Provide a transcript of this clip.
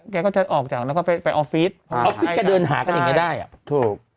แกก็จะออกจากแล้วก็ไปออฟฟิศออฟฟิศแกเดินหากันอย่างนี้ได้อ่ะถูก